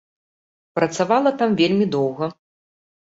Працавала там вельмі доўга.